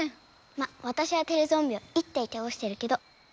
まっわたしはテレゾンビを１体たおしてるけど。